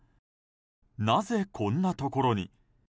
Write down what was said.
なぜ、こんなところに。